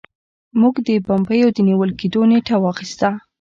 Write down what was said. موږ د بیپو د نیول کیدو نیټه واخیسته.